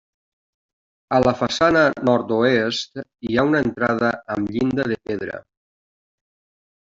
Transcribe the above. A la façana nord-oest, hi ha una entrada amb llinda de pedra.